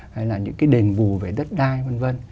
hay là những cái đền bù về đất đai v v